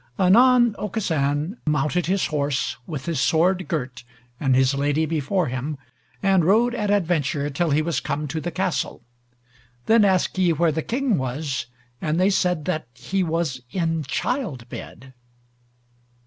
Anon Aucassin mounted his horse, with his sword girt, and his lady before him, and rode at adventure till he was come to the castle. Then asked he where the King was, and they said that he was in childbed.